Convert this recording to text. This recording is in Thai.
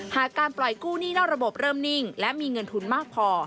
การปล่อยกู้หนี้นอกระบบเริ่มนิ่งและมีเงินทุนมากพอ